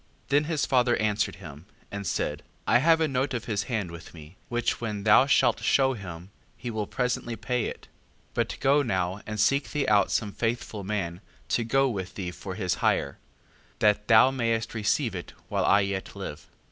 Then his father answered him, and said: I have a note of his hand with me, which when thou shalt shew him, he will presently pay it. 5:4. But go now, and seek thee out some faithful man, to go with thee for his hire: that thou mayst receive it, while I yet live. 5:5.